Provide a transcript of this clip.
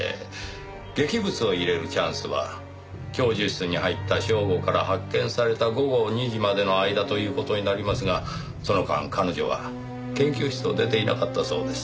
劇物を入れるチャンスは教授室に入った正午から発見された午後２時までの間という事になりますがその間彼女は研究室を出ていなかったそうです。